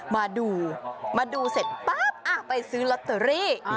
มาดูมาดูเสร็จปั๊บไปซื้อลอตเตอรี่